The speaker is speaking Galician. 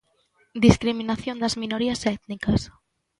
Discriminación das minorías étnicas.